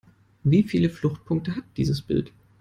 Wie viele Fluchtpunkte hat dieses Bild?